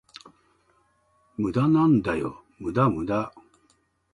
無駄なんだよ、無駄無駄